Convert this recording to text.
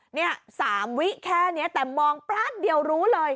เนี่ย๓วิแค่นี้แต่มองปราดเดียวรู้เลย